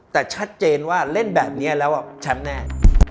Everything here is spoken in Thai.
แต่ชัดเจนว่าเล่นแบบนี้แล้วแชมป์แน่